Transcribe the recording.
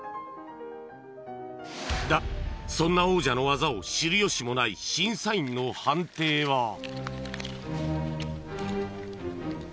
だがそんな王者の技を知るよしもない審査員の判定は？